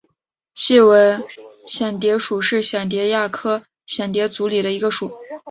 细纹蚬蝶属是蚬蝶亚科蚬蝶族里的一个属。